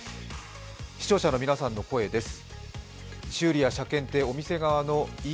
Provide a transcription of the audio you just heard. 視聴者の皆さんの声です。